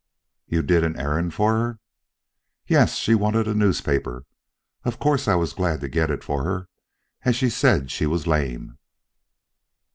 "You did an errand for her?" "Yes; she wanted a newspaper. Of course I was glad to get it for her, as she said she was lame."